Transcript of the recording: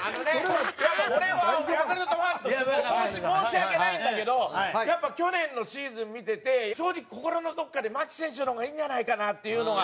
もう俺はヤクルトファンとして申し訳ないんだけどやっぱ去年のシーズン見てて正直心のどこかで牧選手の方がいいんじゃないかなっていうのが。